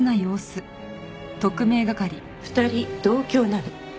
２人同郷なの。